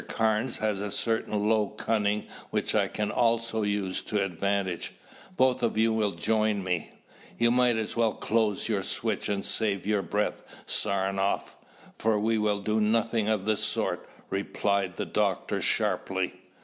Carnes has a certain low cunning which I can also use to advantage. Both of you will join me." "You might as well close your switch and save your breath, Saranoff, for we will do nothing of the sort," replied the doctor sharply.